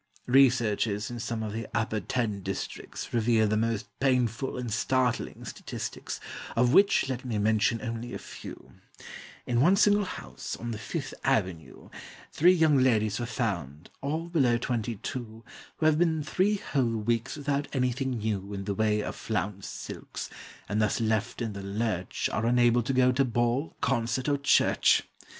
Researches in some of the "Upper Ten" districts Reveal the most painful and startling statistics, Of which let me mention only a few: In one single house, on the Fifth Avenue, Three young ladies were found, all below twenty two, Who have been three whole weeks without anything new In the way of flounced silks, and thus left in the lurch Are unable to go to ball, concert, or church.